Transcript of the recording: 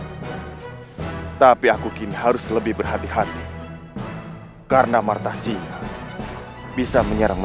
ailhow saya tidak anggap saya menurut raja karim anggapa serius aid warning on